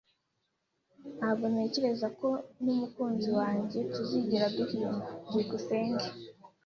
Ntabwo ntekereza ko n'umukunzi wanjye tuzigera duhimba. byukusenge